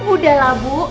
udah lah bu